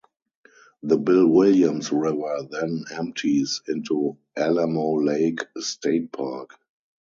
The Bill Williams River then empties into Alamo Lake State Park.